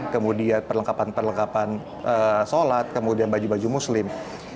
kemudian perlengkapan perlengkapan sholat kemudian baju baju muslim